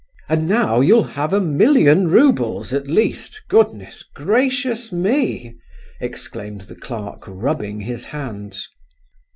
"And now you'll have a million roubles, at least—goodness gracious me!" exclaimed the clerk, rubbing his hands.